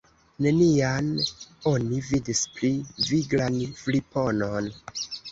Nenian oni vidis pli viglan friponon.